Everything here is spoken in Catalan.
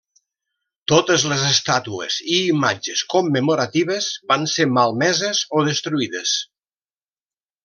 Totes les estàtues i imatges commemoratives van ser malmeses o destruïdes.